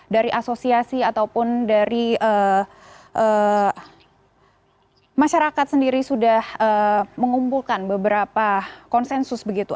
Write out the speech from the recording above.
dari asosiasi ataupun dari masyarakat sendiri sudah mengumpulkan beberapa konsensus begitu